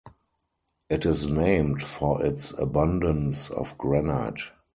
It is named for its abundance of granite.